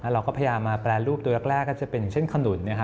เราก็พยายามมาแปรรูปตัวแรกก็จะเป็นอย่างเช่นขนุน